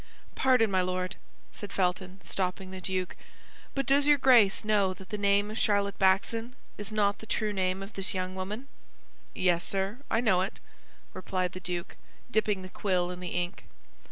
"Pardon, my Lord," said Felton, stopping the duke; "but does your Grace know that the name of Charlotte Backson is not the true name of this young woman?" "Yes, sir, I know it," replied the duke, dipping the quill in the ink.